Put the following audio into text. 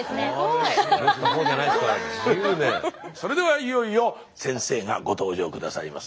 それではいよいよ先生がご登場下さいます。